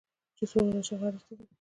چې سوله راشي خارج ته ځم